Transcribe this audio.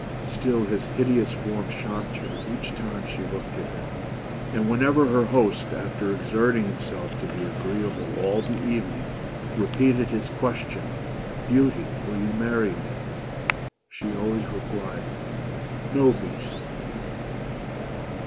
Still his hideous form shocked her each time she looked at him ; and whenever her host, after exerting himself to be agreeable all the evening, repeated his question, " Beauty will you marry me?" she always replied " No, Beast."